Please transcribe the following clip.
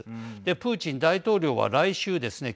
プーチン大統領は来週ですね